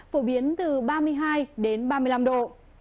phổ biến từ ba mươi hai đến ba mươi năm độ